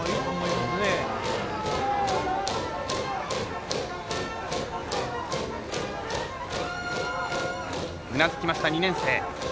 うなづきました、２年生。